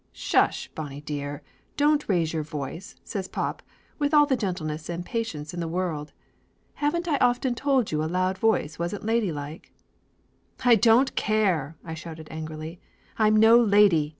"Sush, Bonnie dear, don't raise your voice," says pop, with all the gentleness and patience in the world. "Haven't I often told you a loud voice wasn't lady like?" "I don't care!" I shouted angrily. "I'm no lady!